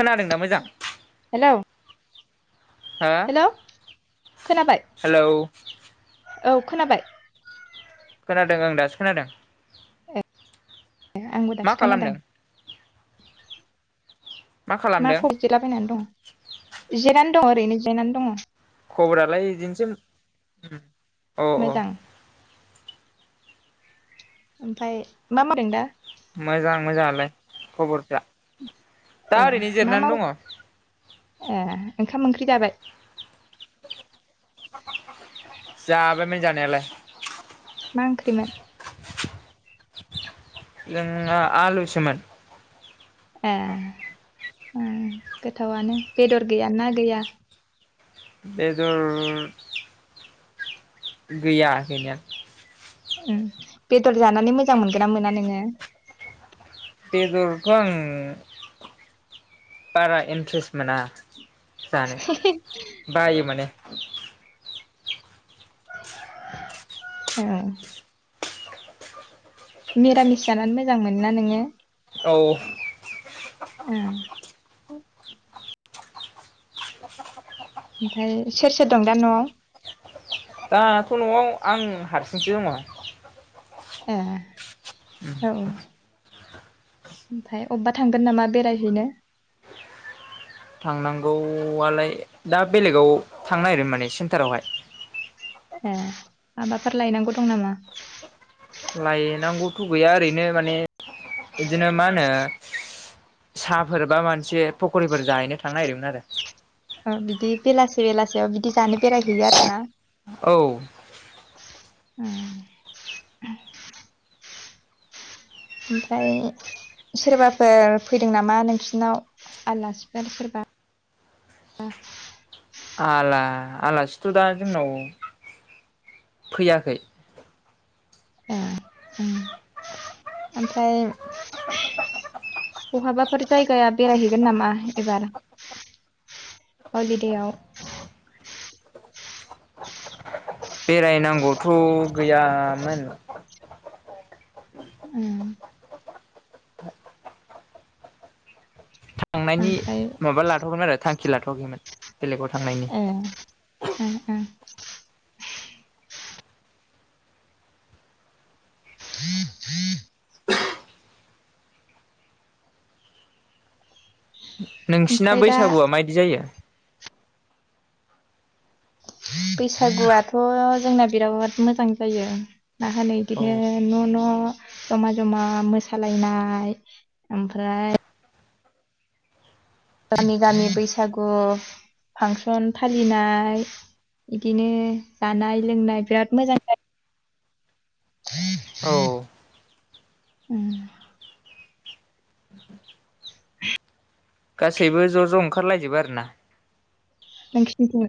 खोनादोंना मोजां? हेलौ हा, हेलौ खोनाबाय हेल' औ खोनाबाय। खोनादों आं दासो खोनादों। ए आंबो मा दासो खोनादों। खालामदों मा खालामदों माखौ जिरायनानै दं जिरायनानै दङ ओरैनो जेनानै दङ। खबरालाय बिदिनोसै अ अ। मोजां ओमफ्राय मारै दं दा? मोजां मोजाङालाय खबरफ्रा दा ए ओरैनो मा जिरनानै माव दङ। ए ओंखाम ओंख्रि जाबाय? जाबायमोन जानायालाय। मा ओंख्रिमोन? जोना आलुसोमोन। ए गोथावनो बेदर गैय ना गैया? बेदर गैया गैनाया। उम बेदर जानानै मोजां मोनगोन ना मोना नोङो? बेदरखौ आं बारा इन्ट्रेस्ट मोना। जानो बायो माने। ओम। निरामिस जानानै मोजां मोन ना नोङो? औ। ओम। ओमफ्राय सोर सोर दं दा न'आव? दाथ' न'आव आं हारसिंसो दङ। ए औ। ओमफ्राय अबावबा थांगोन नामा बेरायहैनो? थांनांगौआलाय दा बेलेगाव थांनो नागिरदोंमोन माने सेन्टारावहाय। ए माबाफोर लायनांगौ दं नामा? लायनांगौथ' गैया ओरैनो माने बिदिनो मा होनो साफोर बा मोनसे पकरिफोर जाहैनो थांनो नागिरदोंमोन आरो आ बिदि बेलासे बेलासेयाव बिदि जानो बेरायहैयो आरो ना? औ। उम ओमफ्राय सोरबाफोर फैदों नामा नोंसिनाव आलासिफोर सोरबा? [unintelligible] आला आलासिथ' दा जोंनाव फैयाखै। ए उम ओमफ्राय बहाबाफोर जायगाया बेरायहैगोन नामा एबार? हलिदेआव बेरायनांगौथ' गैयामोन थांनायनि ओमफ्राय माबा लाथ'वाखैमोन आरो थांखि लाथ'वाखैमोन। बेलेगाव थांनायनि ए उम [inaudible] नोंसिना ओमफ्राय दा बैसागुआ मायदि जायो? बैसागुआथ' जोंना बिराद मोजां जायो। मा होनो औ इदिखौ न' न' न' जमा जमा मोसालायनाय, ओमफ्राय गामि गामि बैसागु फांसन फालिनाय, इदिनो जानाय लोंनाय बिराद मोजां जायो। औ [inaudible] जायो गासैबो ज' ज' ओंखारलायजोबो आरोना? नोंसिनिथिं?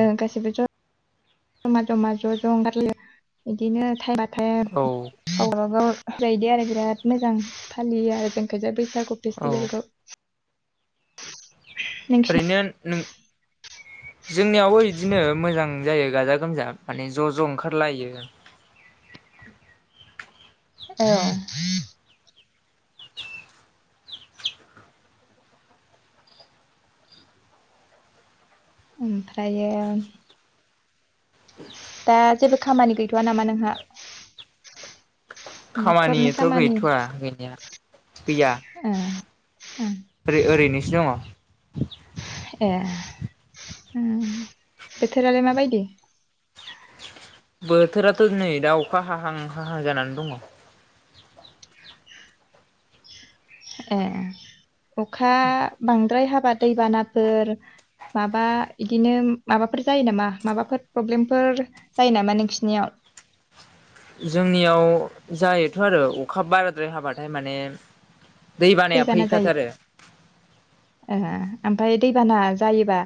ओ गासैबो ज' जमा जमा ज' ज' ओंखारलायो। इदिनो थाइबाथाय औ गावबागाव बेदि आरो बिराद मोजां फालियो आरो जोंखैजाय बैसागु औ फेस्टिभेलखौ। [inaudible] नोंसिनि ओरैनो नों जोंनियावबो बिदिनो मोजां जायो गाजा गोमजा माने ज' ज' ओंखारलायो [inaudible] औ ओमफ्रायो दा जेबो खामानि गैथ'वा नामा नोंहा? न'खरनि खामानिथ' खामानि गैथ'वा गैनाया ओ ओ ओरै-ओरैनोसो दङ' आं ए उम बोथोरालाय माबायदि? बोथोराथ' नै दा अखा हाहां हाहां जानानै दङ। ए अखा बांद्राय हाबा दैबानाफोर माबा इदिनो माबाफोर जायो नामा? माबाफोर प्रब्लेमफोर जायो नामा नोंसिनियाव? [inaudible] जोंनियाव जायोथ' आरो अखा बाराद्राय हाबाथाय माने दै बानाया दैबाना जायो फैखाथारो। ओमफाय दैबाना जायोबा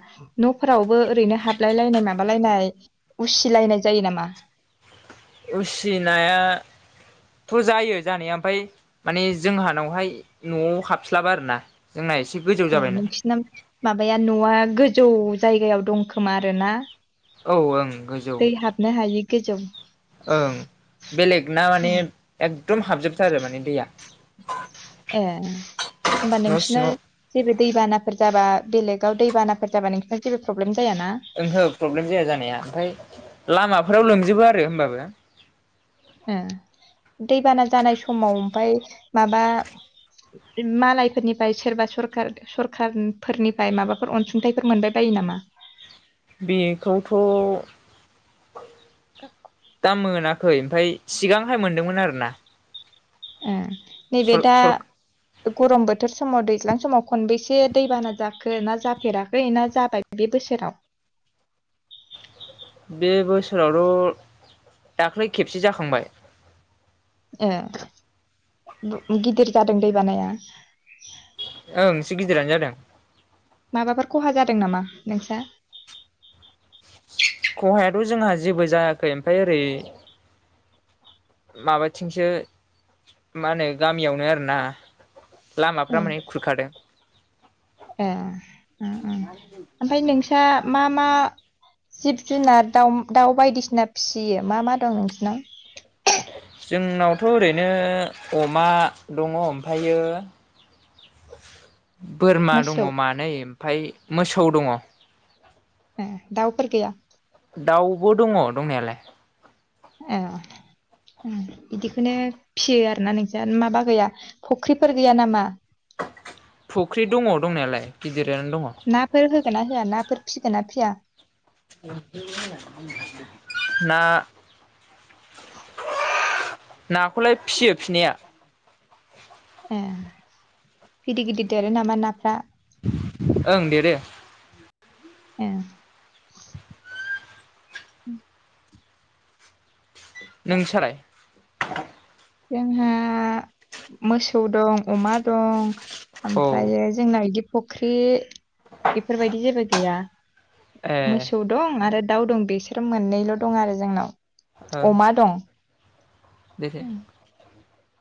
न'फोरावबो ओरैनो हाबलाय लायनाय माबालायनाय उसि लायनाय जायो नामा? उसिनाया थ' जायो जानाया ओमफाय माने जोंहानावहाय न'आव हाबस्लाबा आरोना जोंना ए से गोजौ अ जाबायना नोंसिना माबाया न'आ गोजौ जायगायाव दंखोमा आरोना? औ ओं गोजौ दै हाबनो हायि गोजौ ओं बेलेगना माने एकदम हाबजोबथारो माने दैया ए होमबा न' नोंसोरना सिङाव जेरै दैबानाफोर जाबा बेलेगाव दैबानाफोर जाबा नोंथांङा जेबो प्रब्लेम जायाना ओंहो प्रब्लेम जाया जानाया ओमफ्राय लामाफोराव लोमजोबो आरो होमबाबो ओ दैबाना जानाय समाव ओमफ्राय माबा मालायफोरनिफ्राय सोरबा सरखार सरखारफोरनिफ्राय माबाफोर अनसुंथाइफोर मोनबाय बायो नामा? [inaudible] [unintelligible] बेखौथ' दा मोना खै ओमफ्राय सिगांहाय मोनदोंमोन आरो ना। ओ नैबे दा गरम बोथोर समाव दैज्लां समाव खनबैसे दैबाना जाखो ना जाफेराखै ना जाबाय बे बोसोराव [inaudible] [unintelligible] बे बोसोरावथ' दाख्लै खेबसे जाखांबाय ए गिदिर जादों दै बानाया ओं एसे गिदिरानो जादों। माबाफोर खहा जादों नामा नोंस्रा? खहायाथ' जोंहा जेबो जायाखै ओमफ्राय ओरै माबाथिंसो मा होनो गामियावनो आरोना लामाफ्रा ओ माने खुरखादों ए ओमफ्राय ओ ओ नोंस्रा मा मा जिब जुनार दाउ बायदिसिना फिसियो मा मा दं नोंसिनाव जोंनावथ' ओरैनो अमा दङ ओमफ्रायो [inaudible] बोरमा दङ मोसौ मानै ओमफ्राय मोसौ दङ ह दाउफोर गैया दाउबो दङ दंनायालाय ए बिदिखौनो फियो आरोना नोंस्रा माबा गैया फुख्रिफोर गैया नामा फुख्रि दङ दंनायालाय गिदिर नाफोर होगोन ना होआ नाफोर फिगोन ना फिया ना नाखौलाय फिसियो फिनाया ए गिदिर गिदिर देरो नामा नाफ्रा ओं देरो ए उ [inaudible] [unintelligible] नोंस्रालाय जोंहा मोसौ दं अमा दं औ ओमफ्रायो जोंना बिदि फुख्रि बेफोरबायदि जेबो गैया ए मोसौ दं आरो दाउ दं बेसोर मोननैल' दं आरो जोंनाव अमा दं दखो [inaudible] [unintelligible]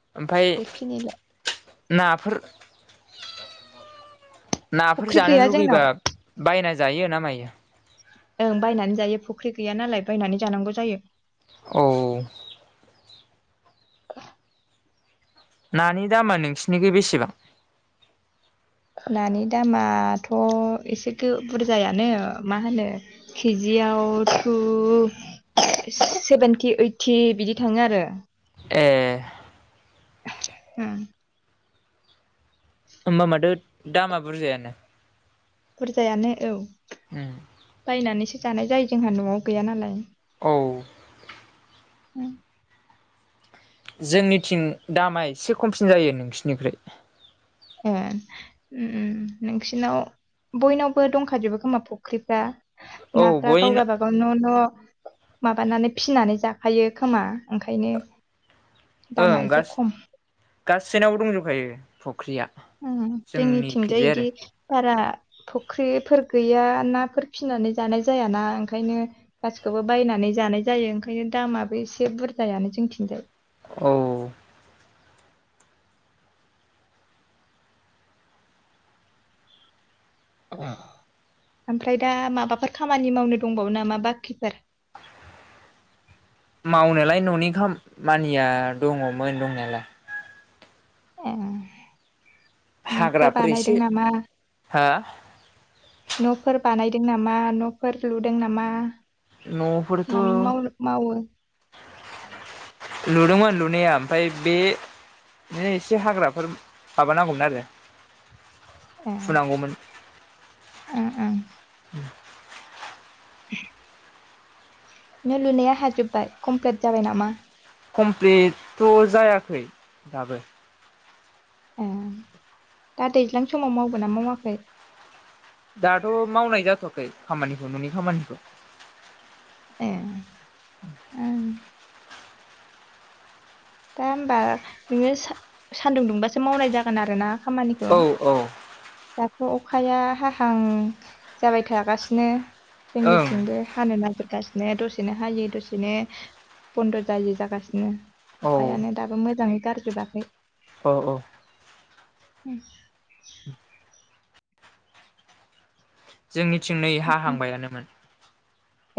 बेखिनि ल ना फोर ना फोर फुख्रि गैया लुबैब्ला जोंनाव बायनानै जायो ना मायो ओं बायनानै जायो फुख्रि गैया नालाय बायनानै जानांगौ जायो औ नानि दामा नोंसिरनिख बेसेबां नानि दामाथ' एसे बुरजायानो मा होनो केजि याव सेभेनटि ओइटि बिदि थाङो आरो ए औ होमबा माथो दामा बुरजायानो। बुरजायानो औ उम बायनानैसो जानाय जायो जोंहा न'आव गैया नालाय औ औ जोंनिथिं दामा एसे खमसिन जायो नोंसिनिफ्राय ए उम उम नोंसिनाव बयनावबो दंखाजोबो खोमा फुख्रिफ्रा। औ ना फ्रा गाव बयनो गावाबागाव न' न' माबानानै फिनानै जाखायो खोमा ओंखायनो ओं दामा एसे खम गासैनावबो दंजोबखायो फुख्रिया उम जोंनिथिंजाय जोंनिखैजाय आरो बिदि बारा फुख्रिफोर गैया नाफोर फिसिनानै जानाय जायाना ओंखायनो गासिखौबो बायनानै सानै जानाय जायो ओंखायनो दामाबो एसे बुरजायानो जोंथिंजाय औ अ ओमफ्राय दा माबाफोर खामानि मावनो दंबावो नामा बाखिफोर [inaudible] मावनायालाय न'नि खामा मानिया दङमोन दंनायालाय ए न'फोर हाग्राफोर बानायदों एसे नामा हा न'फोर बानाय लुदों नामा न'फोर लुदों नामा? न' फोरथ' मा मावनो मावो लुदों' मोन लु ने आफ्राय बे जे एसे हाग्राफोर माबानांगौमोन आरो फुनांगौमोन। उम उम [inaudible] [inaudible] नों लुनाया हाजोबबाय कमप्लिट जाबाय नामा? कमप्लिटथ' जायाखै दाबो ए दा दैज्लां समाव मावबोना मावाखै? दाथ' मावनाय जाथ'वाखै खामानिखौ न'नि खामानिखौ ए ओ दा होमबा नोङो सान्दुं दुंबासो मावनाय जागोन आरो ना? खामानिखौ औ औ अखाया हाहां जाबाय थागासिनो ओं जोंनिथिंबो हानो नागिर गासिनो दसेनो हायो दसेनो बन्द' जायो जागासिनो। औ अखायानो दाबो मोजाङै गारजोबाखै। औ औ ओं जोंनिथिं नै हा हांबायानोमोन।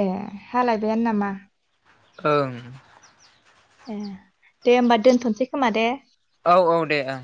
ए हालायबायानो नामा? ओं ए दे होमबा दोनथ'नोसै खोमा दे। औ औ दे ओं।